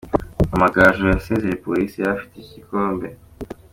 Amagaju yasezereye Police Fc yari ifite iki gikombe.